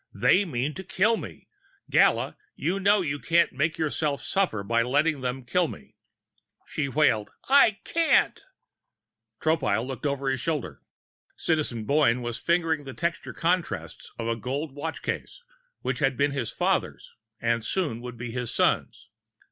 "They mean to kill me. Gala, you know you can't make yourself suffer by letting them kill me!" She wailed: "I can't!" Tropile looked over his shoulder. Citizen Boyne was fingering the textured contrasts of a golden watch case which had been his father's and soon would be his son's.